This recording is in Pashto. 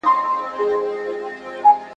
یا دولت وینو په خوب کي یا بری یا شهرتونه ..